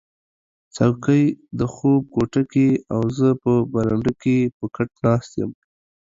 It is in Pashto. څوکی د خوب کوټه کې او زه په برنډه کې په کټ ناست یم